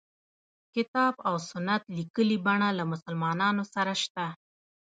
کتاب او سنت لیکلي بڼه له مسلمانانو سره شته.